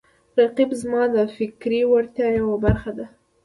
رقیب زما د فکري وړتیاو یوه برخه ده